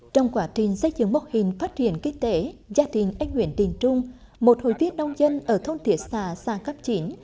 trong quá trình xây dựng mô hình phát triển kinh tế gia đình anh nguyễn đình trung một hội viết nông dân ở thôn thịa xã xã cáp tuyền